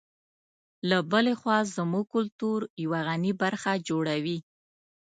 له بلې خوا زموږ کلتور یوه غني برخه جوړوي.